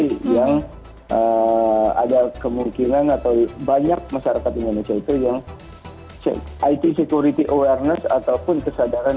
jadi yang ada kemungkinan atau banyak masyarakat di indonesia itu yang it security awareness ataupun kesadaran